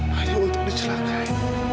hanya untuk dicelakai